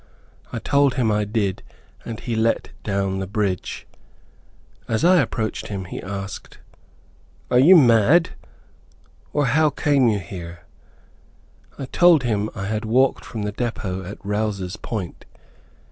I told him I did, and he let down the bridge. As I approached him he asked, "Are you mad? or how came you here?" I told him I had walked from the depot at Rouse's Point.